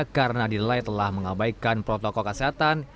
karena adilai telah mengabaikan protokol kesehatan